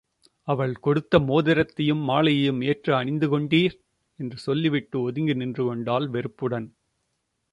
அவள் கொடுத்த மோதிரத்தையும் மாலையையும் ஏற்று அணிந்து கொண்டீர்! என்று சொல்லிவிட்டு ஒதுங்கி நின்றுகொண்டாள், வெறுப்புடன்.